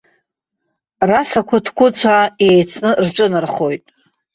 Расақәа ҭкәыцәаа, еицны рҿынархоит.